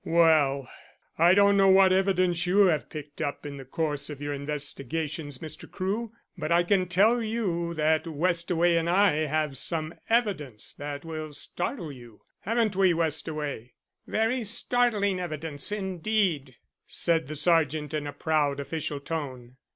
"Well, I don't know what evidence you have picked up in the course of your investigations, Mr. Crewe, but I can tell you that Westaway and I have some evidence that will startle you. Haven't we, Westaway?" "Very startling evidence, indeed," said the sergeant, in a proud official tone.